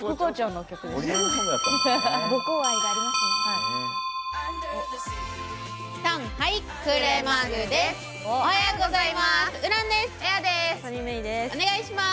おはようございます。